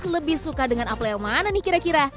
lebih suka dengan apel yang mana nih kira kira